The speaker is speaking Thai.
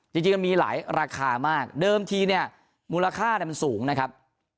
จริงมันมีหลายราคามากเดิมทีเนี่ยมูลค่ามันสูงนะครับ